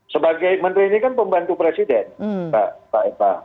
sebagai menteri ini kan pembantu presiden mbak eva